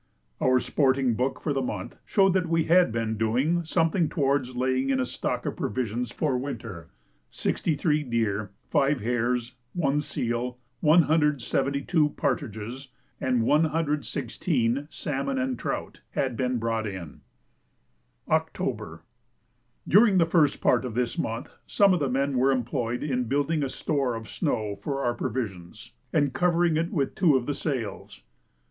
Our sporting book for the month showed that we had been doing something towards laying in a stock of provisions for winter; 63 deer, 5 hares, one seal, 172 partridges, and 116 salmon and trout, had been brought in. October. During the first part of this month some of the men were employed in building a store of snow for our provisions, and covering it with two of the sails.